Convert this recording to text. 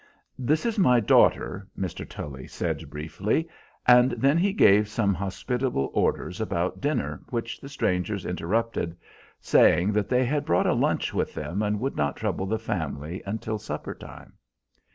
"This is my daughter," Mr. Tully said briefly; and then he gave some hospitable orders about dinner which the strangers interrupted, saying that they had brought a lunch with them and would not trouble the family until supper time.